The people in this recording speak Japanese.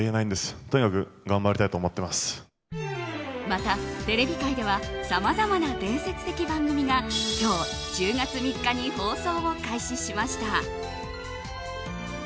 また、テレビ界ではさまざまな伝説的番組が今日、１０月３日に放送を開始しました。